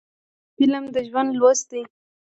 فلم د ژوند لوست دی